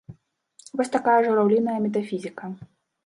Вось такая жураўліная метафізіка.